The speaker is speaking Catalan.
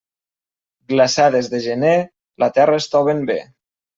Glaçades de gener la terra estoven bé.